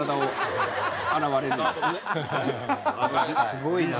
すごいな。